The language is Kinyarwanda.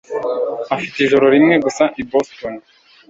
afite ijoro rimwe gusa i Boston.